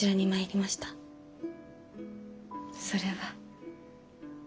それは。